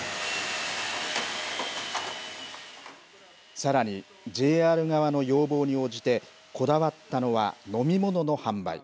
さらに、ＪＲ側の要望に応じて、こだわったのは飲み物の販売。